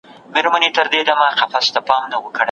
ایا دا ناول د نوي کهول لپاره ګټور دی؟